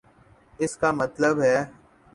اس کا مطلب ہے۔